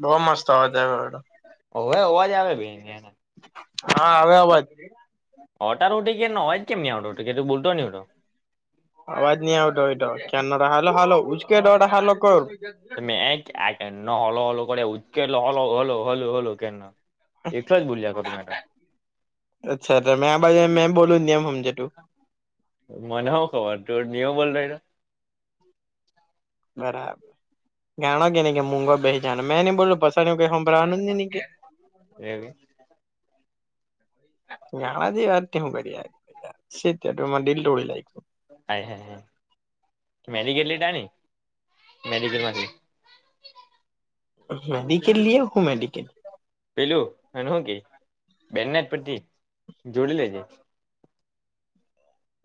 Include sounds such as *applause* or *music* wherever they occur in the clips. બહ મસ્ત આવ તો હવે અવાજ આવે બે હા આવે અવાજ ઓટાર ઉઠી કે ન હોય કેમ આો કે તું બોલતો નો અવાજ ન આવ તોો એટ કેન હાલ હાલ ઉજકેટ હાલો કર એ કે હલો હલો કર ઉચકેલો હલો હલો હલ હલો કે એકલો જ બોલ્યા કરું મેં તો અચ્છા મે આ બા મે બોલ એમ સમજટું મને હો ખબર તો નિયમ બોલ રે બરાબર જાણો કે નહી કે મૂગો બે જાણો મેં નઈ બોલું પસ હોમભરાવાનું નઈ ગાંડા જેવી વાત કેમ કરી આજ છે ત તોમાં દિલ તોડી નાખ્યું હા મેડીગેટ લીટ મેગેટ માંથી મેડિકલ લ હું મેડિકલ પેલું અને હું કે બેનના જ પરથી જોડી લેજે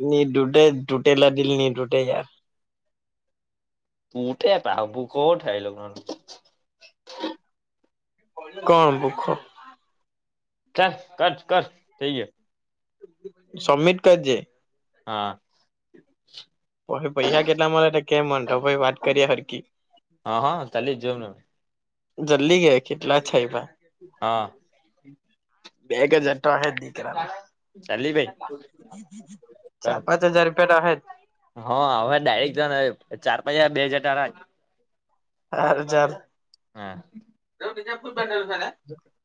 નની ડુટે તૂટેલા દલ નની ડૂુટે ાર ઉઠે પ હ ભુ કોઠ આાય લગ્ન કોણ ભખર ચાલ કર કર થઈે સબમિટ કરજ હા પૈસા કેટલા મળે તો કેમ મતો ભાઈ વાત કરીએ હરકી હા હા તાલે જવમ નમે જલ્દી ગયા કેટલા છે એ ભાઈ હા બેગ હજાર તો દીકરા ચાલી ભાઈ ચાર પાંચ હજાર રૂપિયા તો અહેજ હા હવે ડાયરેક્ટ ચાર પછ બે હજાર ટારા હારું ચાલ હા *unintelligible* *inaudible*